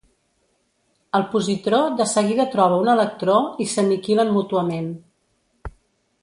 El positró de seguida troba un electró i s'aniquilen mútuament.